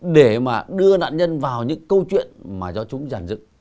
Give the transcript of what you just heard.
để mà đưa nạn nhân vào những câu chuyện mà do chúng giàn dựng